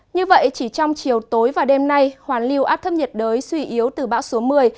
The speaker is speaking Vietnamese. như vậy chỉ trong chiều tối và đêm nay hoàn lưu áp thấp nhiệt đới suy yếu từ bão số một mươi